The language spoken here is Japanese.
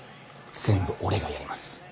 全部俺がやります。